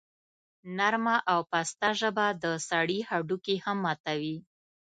نرمه او پسته ژبه د سړي هډوکي هم ماتوي.